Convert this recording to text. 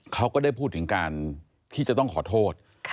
เขาก็ได้พูดถึงการที่จะต้องขอโทษ